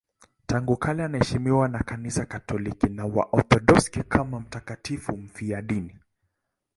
Tangu kale anaheshimiwa na Kanisa Katoliki na Waorthodoksi kama mtakatifu mfiadini.